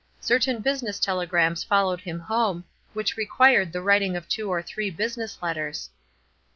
Certain business telegrams followed him home, which required the writing of two or three business letters.